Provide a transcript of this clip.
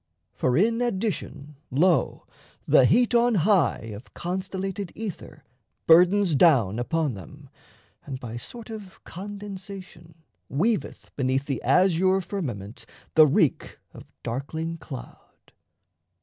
For, in addition, lo, the heat on high Of constellated ether burdens down Upon them, and by sort of condensation Weaveth beneath the azure firmament The reek of darkling cloud.